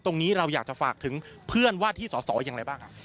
ตรงนี้เราอยากจะฝากถึงเพื่อนวาที่สอสออย่างไรบ้าง